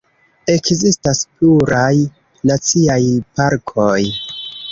Ekzistas pluraj naciaj parkoj.